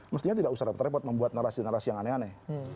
mestinya tidak usah repot repot membuat narasi narasi yang aneh aneh